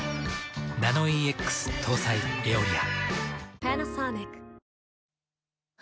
ナノイーＸ搭載「エオリア」。